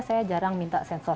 saya jarang minta sensor